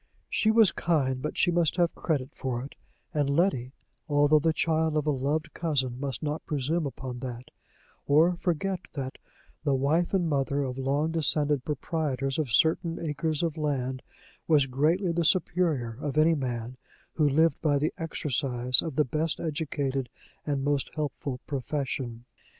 She was kind, but she must have credit for it; and Letty, although the child of a loved cousin, must not presume upon that, or forget that the wife and mother of long descended proprietors of certain acres of land was greatly the superior of any man who lived by the exercise of the best educated and most helpful profession.